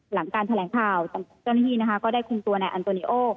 หลังการแถลงข่าวจังหิดีก็ได้คุณตัวในอันโตเนีโอ